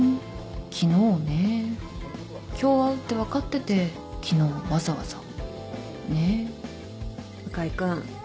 昨日ねぇ今日会うって分かってて昨日わざ向井君